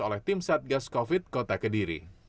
oleh tim satgas covid sembilan belas kota kediri